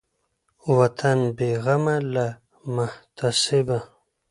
وطن بېغمه له محتسبه